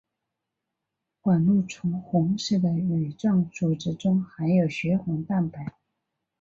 管蠕虫红色的羽状组织中含有血红蛋白。